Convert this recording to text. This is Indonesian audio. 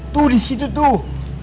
tuh disitu tuh